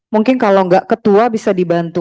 mungkin kalau nggak ketua bisa dibantu